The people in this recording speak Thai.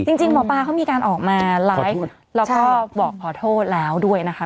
จริงหมอปลาเขามีการออกมาไลฟ์แล้วก็บอกขอโทษแล้วด้วยนะคะ